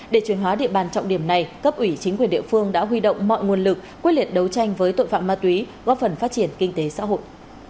để chuyển hóa địa bàn trọng điểm này cấp ủy chính quyền địa phương đã huy động mọi nguồn lực quyết liệt đấu tranh với tội phạm ma túy góp phần phát triển kinh tế xã hội